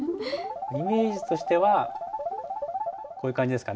イメージとしてはこういう感じですかね。